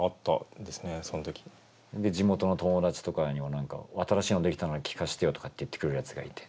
で地元の友達とかにも何か「新しいの出来たんだ聴かせてよ」とかって言ってくるやつがいて。